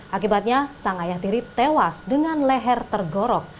akibatnya sang ayah tiri tewas dengan leher tergorok